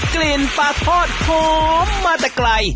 กลิ่นปลาทอดหอมมาแต่ไกล